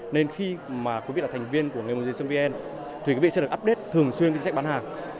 nên khi quý vị là thành viên của nghềmua vn quý vị sẽ được update thường xuyên chính sách bán hàng